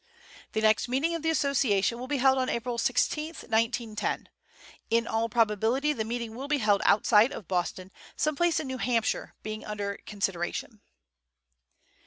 The next meeting of the Association will be held on April 16, 1910. In all probability the meeting will be held outside of Boston, some place in New Hampshire being under consideration.